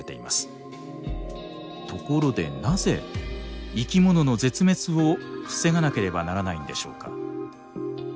ところでなぜ生きものの絶滅を防がなければならないんでしょうか？